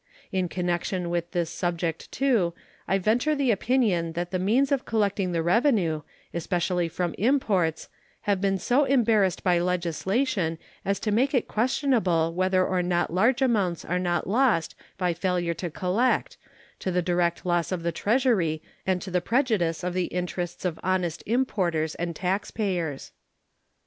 In connection with this subject, too, I venture the opinion that the means of collecting the revenue, especially from imports, have been so embarrassed by legislation as to make it questionable whether or not large amounts are not lost by failure to collect, to the direct loss of the Treasury and to the prejudice of the interests of honest importers and taxpayers.